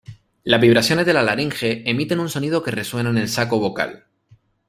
Las vibraciones de la laringe emiten un sonido que resuena en el saco vocal.